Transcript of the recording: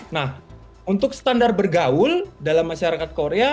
nah untuk standar bergaul dalam masyarakat korea